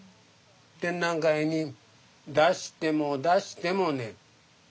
展覧会に出しても出してもね